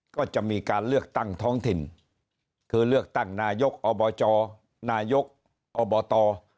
ก็จะมีการเลือกตั้งท้องถิ่นคือเลือกตั้งนายกอบจนายกอบต